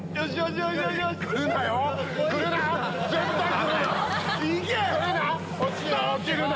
来るな！